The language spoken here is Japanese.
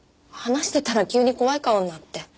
話してたら急に怖い顔になって。